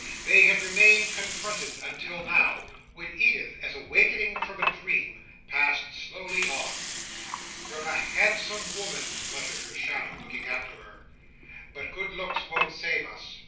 They had remained confronted until now, when Edith, as awakening from a dream, passed slowly on. "You're a handsome woman," muttered her shadow, looking after her; "but good looks won't save us.